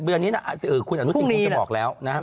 เมื่อนี้นะคุณอนุทิศจะบอกว่าแล้ว